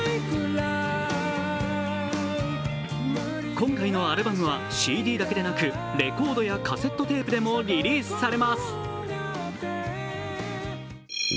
今回のアルバムはＣＤだけでなくレコードやカセットテープでもリリースされます。